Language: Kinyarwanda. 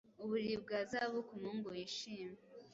Uburiri bwa zahabu kumuhungu wishimye